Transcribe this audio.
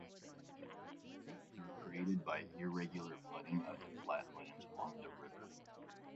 The marshes are created by irregular flooding of the flat lands along the river.